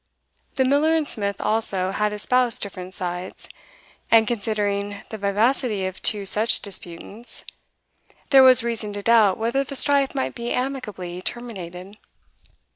The miller and smith, also, had espoused different sides, and, considering the vivacity of two such disputants, there was reason to doubt whether the strife might be amicably terminated.